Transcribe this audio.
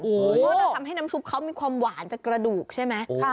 เพราะจะทำให้น้ำซุปเขามีความหวานของกระดูกใช่ไหม